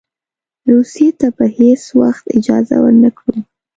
روسیې ته به هېڅ وخت اجازه ورنه کړو.